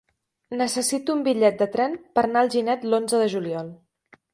Necessito un bitllet de tren per anar a Alginet l'onze de juliol.